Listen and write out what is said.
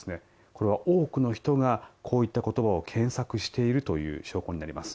これは多くの人がこういった言葉を検索しているという証拠になります。